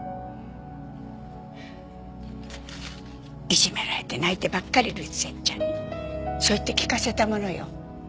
いじめられて泣いてばかりいるセッちゃんにそう言って聞かせたものよ。